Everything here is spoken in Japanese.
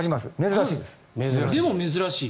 でも、珍しい。